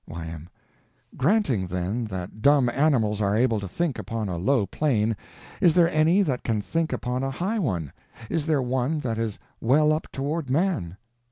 Y.M. Granting, then, that dumb animals are able to think upon a low plane, is there any that can think upon a high one? Is there one that is well up toward man?